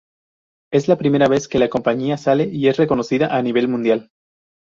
Es la primera vez que la compañía sale y es reconocida a nivel mundial.